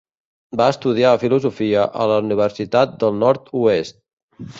Va estudiar filosofia a la Universitat del Nord-oest.